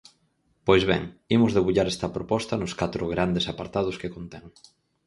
Pois ben, imos debullar esta proposta nos catro grandes apartados que contén.